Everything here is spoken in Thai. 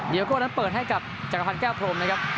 เดี๋ยวโก้นั้นเปิดให้กับจักรพันธ์แก้วพรมนะครับ